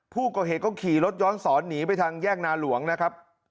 ผู้ก่อเหตุก็ขี่รถย้อนสอนหนีไปทางแยกนาหลวงนะครับ